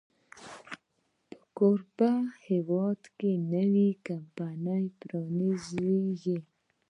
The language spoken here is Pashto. په کوربه هېواد کې نوې کمپني پرانیزي.